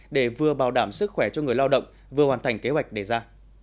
để vừa bảo đảm sức khỏe cho người lao động vừa hoàn thành kế hoạch đề ra